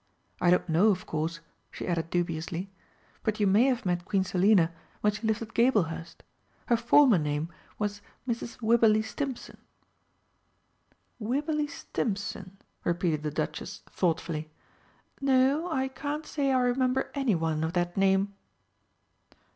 I don't know, of course," she added dubiously, "but you may have met Queen Selina when she lived at Gablehurst her former name was Mrs. Wibberley Stimpson." "Wibberley Stimpson?" repeated the Duchess thoughtfully. "No, I can't say I remember anyone of that name."